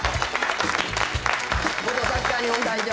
元サッカー日本代表